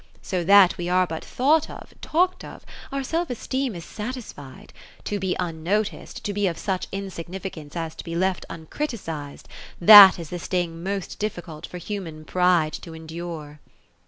So that we are but thought of, talked of, our self esteem is satisfied. To be unnoticed — to be of such insignificance, as to be left uncriticised, that is the sting most difficult for human pride to endure."